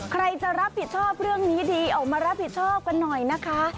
ใครจะรับผิดชอบเรื่องนี้ดีออกมารับผิดชอบกันหน่อยนะคะ